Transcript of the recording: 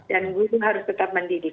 dan kita harus tetap mendidik